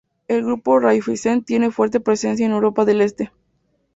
El Grupo Raiffeisen tiene fuerte presencia en Europa del Este.